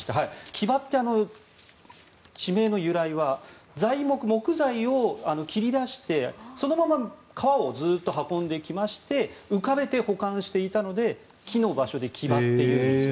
木場って、地名の由来は材木、木材を切り出してそのまま川でずっと運んできまして浮かべて保管していたので木の場所で木場というんです。